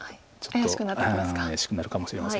怪しくなるかもしれません。